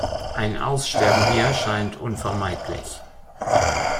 Ein Aussterben hier scheint unvermeidlich.